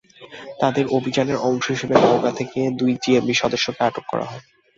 তাদের অভিযানের অংশ হিসেবে নওগাঁ থেকে দুই জেএমবি সদস্যকে আটক করা হয়।